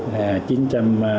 là chín trăm tám mươi một m ba